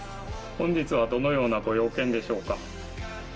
本日はどのようなご用件でしょうか。